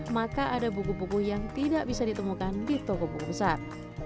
maka ada buku buku yang tidak bisa ditemukan di toko buku besar